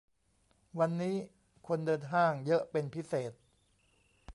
วันนี้คนเดินห้างเยอะเป็นพิเศษ